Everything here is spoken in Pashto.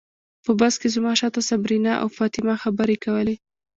په بس کې زما شاته صبرینا او فاطمه خبرې کولې.